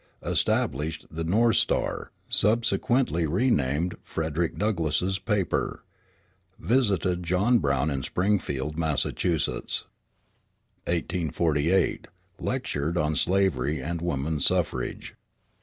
Established the North Star, subsequently renamed Frederick Douglass's Paper. Visited John Brown at Springfield, Massachusetts. 1848 Lectured on slavery and woman suffrage.